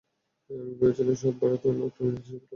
আমি ভেবেছিলাম সব ভারতনাট্যম নৃত্যশিল্পীদের লম্বা চুল থাকে।